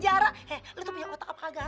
ntar lagi nih kita mau lebaran bang